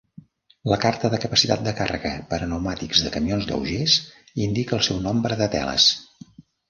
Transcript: La Carta de Capacitat de Càrrega per a pneumàtics de camions lleugers indica el seu nombre de teles.